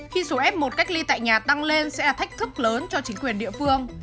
khi số f một cách ly tại nhà tăng lên sẽ là thách thức lớn cho chính quyền địa phương